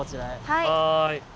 はい。